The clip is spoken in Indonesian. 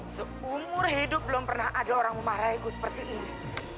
seumur hidup belum pernah ada orang memarahiku seperti ini